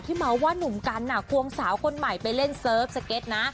เมาส์ว่านุ่มกันควงสาวคนใหม่ไปเล่นเซิร์ฟสเก็ตนะ